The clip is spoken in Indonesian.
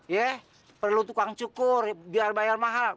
yeh perlu tukang cukur biar bayar mahal